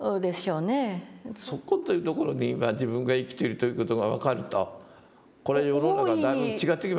即今というところに今自分が生きているという事が分かるとこれ世の中だいぶ違ってきますよね。